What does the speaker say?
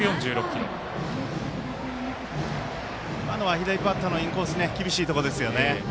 左バッターのインコース厳しいところですよね。